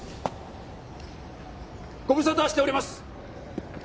ご無沙汰しております。